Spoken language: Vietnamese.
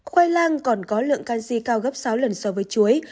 khoai lang còn có lượng canxi cao gấp sáu lần so với chuối